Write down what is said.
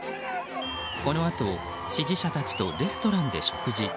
このあと支持者たちとレストランで食事。